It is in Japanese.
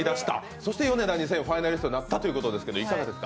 そしてヨネダ２０００はファイナリストになったということですが、どうですか？